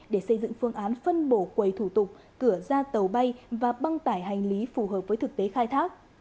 để xây dựng phương án phân bổ quầy thủ tục cửa ra tàu bay và băng tải hành lý phù hợp với thực tế khai thác